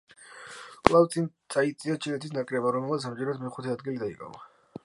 კვლავ წინ წაიწია ჩინეთის ნაკრებმა, რომელმაც ამჯერად მეხუთე ადგილი დაიკავა.